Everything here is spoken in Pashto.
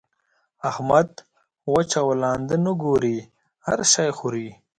احمد؛ وچ او لانده نه ګوري؛ هر شی خوري.